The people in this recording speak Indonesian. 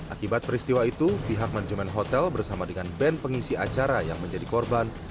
akibat peristiwa itu pihak manajemen hotel bersama dengan band pengisi acara yang menjadi korban